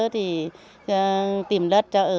tìm đất cho ở